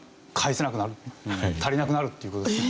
足りなくなるっていう事ですね。